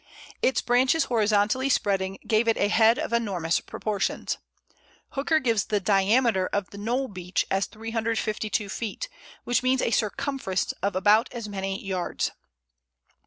Its branches horizontally spreading gave it a head of enormous proportions. Hooker gives the diameter of the Knowle Beech as 352 feet, which means a circumference of about as many yards.